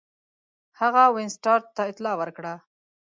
هغه وینسیټارټ ته اطلاع ورکړه.